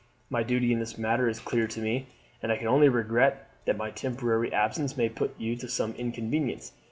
My duty in this matter is clear to me, and I can only regret that my temporary absence may put you to some inconvenience.